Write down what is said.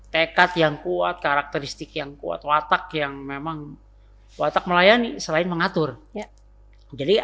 hekat yang kuat karakteristik dan menurut saya itu adalah satu kualitas yang harus kita lakukan untuk memperbaiki kepentingan di bkn dan asn itu moto yang bagian dari memotivasi supaya asn punya etos kerja yang tinggi